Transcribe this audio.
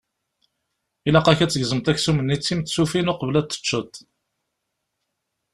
Ilaq-ak ad tgezmeḍ aksum-nni d timettufin uqbel ad t-teččeḍ.